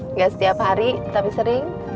nggak setiap hari tapi sering